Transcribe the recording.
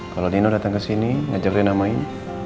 kalau nino datang ke sini ngajak rena main